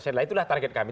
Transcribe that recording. nah itulah target kami